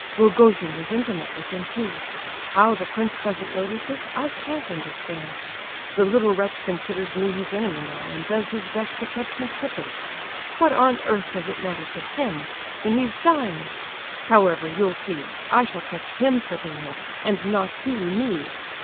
Rogojin is intimate with him, too. How the prince doesn't notice it, I can't understand. The little wretch considers me his enemy now and does his best to catch me tripping. What on earth does it matter to him, when he's dying? However, you'll see; I shall catch him tripping yet, and not he me."